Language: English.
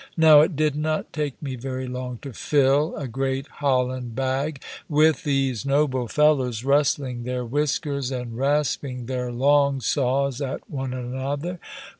Now it did not take me very long to fill a great Holland bag with these noble fellows, rustling their whiskers, and rasping their long saws at one another.